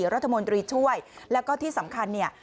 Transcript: รัฐมนตรีช่วยแล้วก็ที่สำคัญเนี่ย